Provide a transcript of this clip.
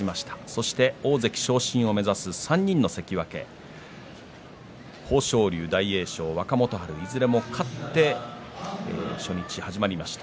そして大関昇進を目指す３人の関脇豊昇龍、大栄翔、若元春いずれも勝って初日が始まりました。